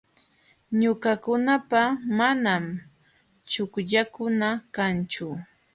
Ñuqakunapa manam chuqllakuna kanchu.